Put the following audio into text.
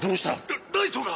ラライトが！